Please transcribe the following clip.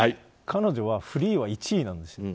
彼女はフリーは１位なんです。